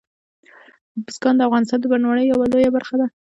بزګان د افغانستان د بڼوالۍ یوه لویه برخه ده.